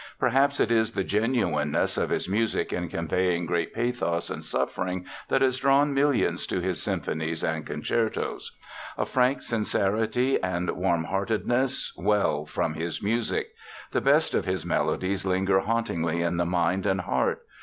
Perhaps it is the genuineness of his music in conveying great pathos and suffering that has drawn millions to his symphonies and concertos. A frank sincerity and warmheartedness well from his music. The best of his melodies linger hauntingly in the mind and heart.